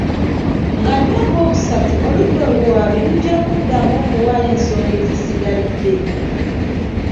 Nga nnya ogwookusatu oludda oluwaabi lujja kuddamu okuwaayo ensonga ezisigalidde.